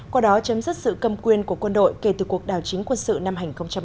qua đó chấm dứt sự cầm quyền của quân đội kể từ cuộc đảo chính quân sự năm hai nghìn một mươi bốn